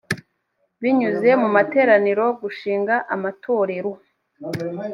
binyuze mu materaniro gushinga amatorero